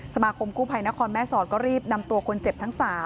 สมาคมกู้ภัยนครแม่สอดก็รีบนำตัวคนเจ็บทั้ง๓